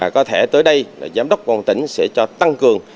có thể tới đây giám đốc quân tỉnh sẽ cho tăng cường